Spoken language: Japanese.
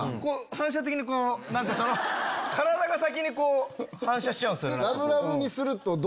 反射的にこう体が先に反射しちゃうんすよね。